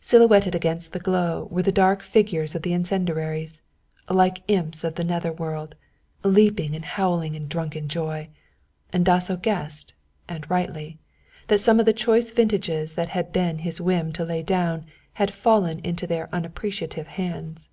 Silhouetted against the glow were the dark figures of the incendiaries, like imps of the netherworld, leaping and howling in drunken joy, and Dasso guessed, and rightly, that some of the choice vintages it had been his whim to lay down had fallen into their unappreciative hands.